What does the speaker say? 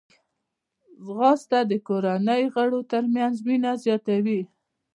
ځغاسته د کورنۍ غړو ترمنځ مینه زیاتوي